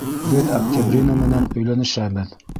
Беҙ Октябрина менән... өйләнешәбеҙ!